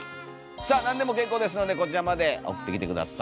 さあ何でも結構ですのでこちらまで送ってきて下さい。